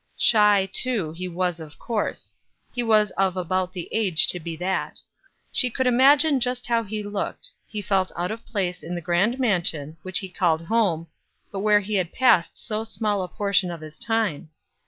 Shy, too, he was of course; he was of about the age to be that. She could imagine just how he looked he felt out of place in the grand mansion which he called home, but where he had passed so small a portion of his time.